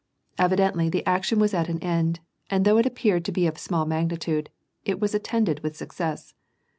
Evidently, the action was at an end, and though it appeared to be of small magnitude, it was attended with success.